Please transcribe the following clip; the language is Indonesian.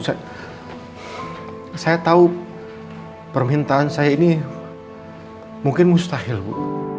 saya tahu permintaan saya ini mungkin mustahil bu